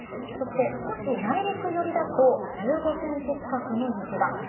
そして、少し内陸寄りだと１５ｃｍ近くの雪が。